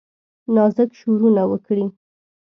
نازک شورونه وکړي